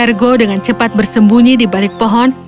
ergo dengan cepat bersembunyi di balik pohon